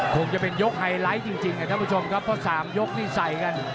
คงจะเป็นยกไฮไลท์จริงท่านผู้ชมครับเพราะ๓ยกนี่ใส่กัน